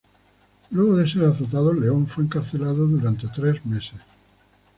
Luego de ser azotado, León fue encarcelado durante tres meses.